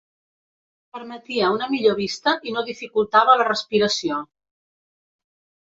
Permetia una millor vista i no dificultava la respiració.